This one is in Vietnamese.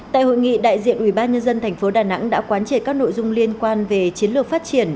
tại hội nghị đại diện ủy ban nhân dân tp đà nẵng đã quán triệt các nội dung liên quan về chiến lược phát triển